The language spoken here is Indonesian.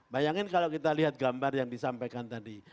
bayangin kalau kita lihat gambar yang disampaikan tadi